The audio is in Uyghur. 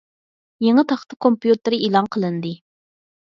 يېڭى تاختا كومپيۇتېرى ئېلان قىلىندى.